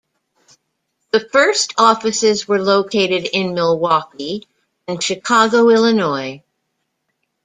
The first offices were located in Milwaukee and Chicago, Illinois.